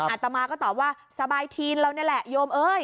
อาตมาก็ตอบว่าสบายทีนแล้วนี่แหละโยม